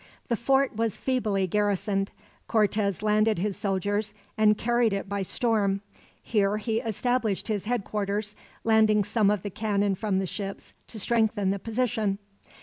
The fort was feebly garrisoned. Cortez landed his soldiers and carried it by storm. Here he established his headquarters, landing some of the cannon from the ships to strengthen the position.